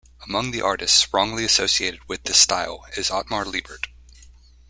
Among the artists wrongly associated with this style is Ottmar Liebert.